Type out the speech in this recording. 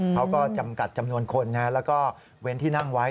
เขาก็จำกัดจำนวนคนแล้วก็เว้นที่นั่งไว้